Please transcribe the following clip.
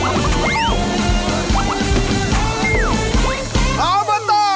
ออเบอร์ตอร์มหาสมุทร